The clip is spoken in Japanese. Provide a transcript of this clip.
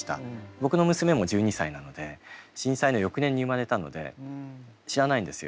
僕の娘も１２歳なので震災の翌年に生まれたので知らないんですよ。